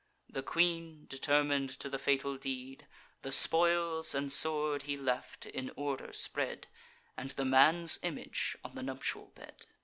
The queen, determin'd to the fatal deed, The spoils and sword he left, in order spread, And the man's image on the nuptial bed.